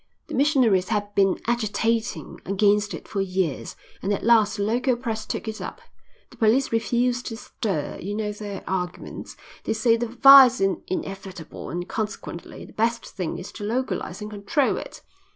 "The missionaries had been agitating against it for years, and at last the local press took it up. The police refused to stir. You know their argument. They say that vice is inevitable and consequently the best thing is to localise and control it.